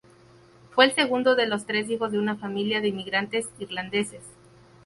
Fue el segundo de los tres hijos de una familia de inmigrantes irlandeses.